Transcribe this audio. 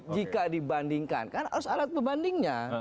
jika dibandingkan karena harus alat membandingnya